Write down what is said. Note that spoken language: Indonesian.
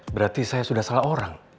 berarti saya sudah salah orang